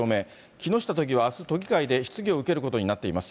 木下都議はあす、都議会で質疑を受けることになっています。